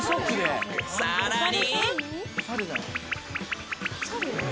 ［さらに］